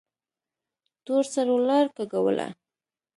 تورسرو لار کږوله.